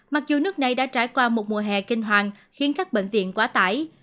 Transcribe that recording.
mặc dù nước này đã trải qua một mùa hè kinh hoàng khiến các bệnh viện quá tải